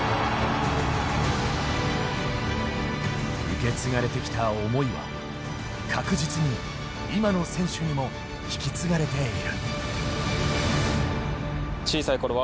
受け継がれてきた思いは確実に今の選手にも引き継がれている。